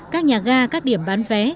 các nhà ga các điểm bán vé